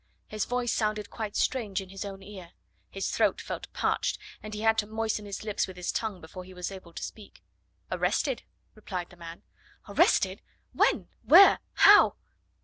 His voice sounded quite strange in his own ear; his throat felt parched, and he had to moisten his lips with his tongue before he was able to speak. "Arrested," replied the man. "Arrested? When? Where? How?"